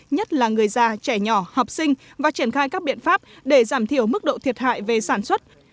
nhất là người già trẻ nhỏ học sinh và triển khai các biện pháp để giảm thiểu mức độ thiệt hại về sản xuất